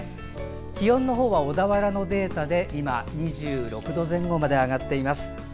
気温のほうは小田原のデータで今、２６度前後まで上がっています。